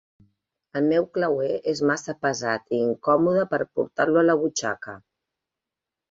El meu clauer és massa pesat i incòmode per portar-lo a la butxaca.